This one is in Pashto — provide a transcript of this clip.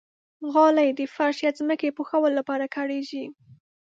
غالۍ د فرش یا ځمکې پوښلو لپاره کارېږي.